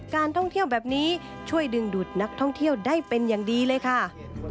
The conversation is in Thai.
การท่องเที่ยวแบบนี้ช่วยดึงดูดนักท่องเที่ยวได้เป็นอย่างดีเลยค่ะ